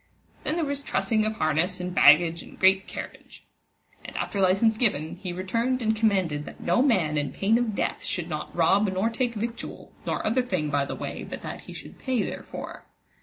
Then there was trussing of harness and baggage and great carriage. And after licence given, he returned and commanded that no man in pain of death should not rob nor take victual, nor other thing by the way but that he should pay therefore.